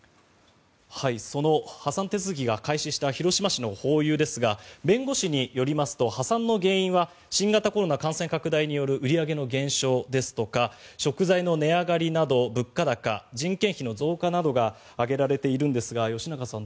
その破産手続きが開始した広島市のホーユーですが弁護士によりますと破産の原因は新型コロナ感染拡大による売り上げの減少ですとか食材の値上がりなど物価高人件費の増加などが挙げられているんですが吉永さん